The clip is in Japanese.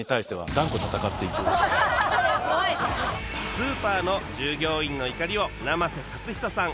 スーパーの従業員の怒りを生瀬勝久さん